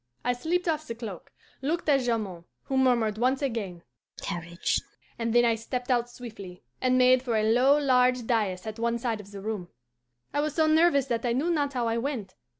I slipped off the cloak, looked at Jamond, who murmured once again, 'Courage,' and then I stepped out swiftly, and made for a low, large dais at one side of the room. I was so nervous that I knew not how I went.